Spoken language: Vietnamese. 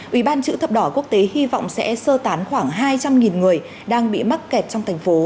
ủy ban chữ thập đỏ quốc tế hy vọng sẽ sơ tán khoảng hai trăm linh người đang bị mắc kẹt trong thành phố